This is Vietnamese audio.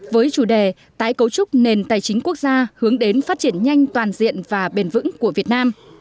với chủ đề tái cấu trúc nền tài chính quốc gia hướng đến phát triển nhanh toàn diện và bền vững của việt nam